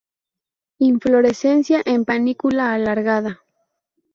Inflorescencia en panícula alargada.